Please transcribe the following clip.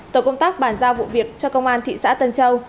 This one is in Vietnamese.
tổ công tác bàn giao vụ việc cho công an thị xã tân châu